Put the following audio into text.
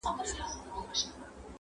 د انغري له خوانه خړې سونډې بيا راغلله.